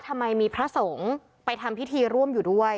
ทำไมมีพระสงฆ์ไปทำพิธีร่วมอยู่ด้วย